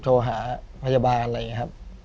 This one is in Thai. โทรหาพยาบาลอะไรอย่างนี้ครับ